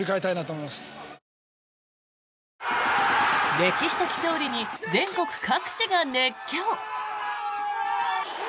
歴史的勝利に全国各地が熱狂。